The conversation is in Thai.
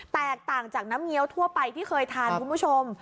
แตกต่างจากน้ำเงี้ยวทั่วไปที่เคยทานคุณผู้ชม